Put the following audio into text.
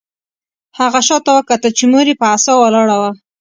هغه شاته وکتل چې مور یې په عصا ولاړه وه